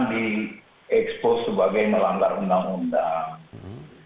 di expose sebagai melanggar undang undang